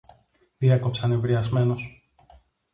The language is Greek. διέκοψα νευριασμένος.